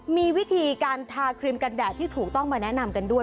มีวิธีการทาครีมกันแดดที่ถูกต้องมาแนะนำกันด้วย